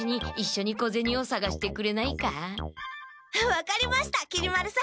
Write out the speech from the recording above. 分かりましたきり丸さん。